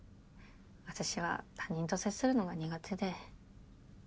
私は他人と接するのが苦手で。